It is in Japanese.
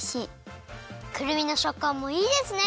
くるみのしょっかんもいいですね！